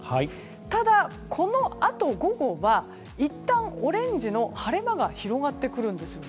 ただ、このあと午後はいったんオレンジの晴れ間が広がってくるんですね。